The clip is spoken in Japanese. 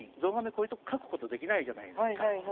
こういうとこかくことできないじゃないですか